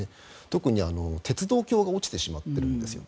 特に鉄道橋が落ちてしまっているんですよ。